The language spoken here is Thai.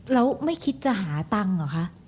แล้วไม่คิดจะหาตังค์เหรอคะ